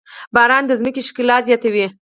باران د ځمکې ښکلا زياتوي.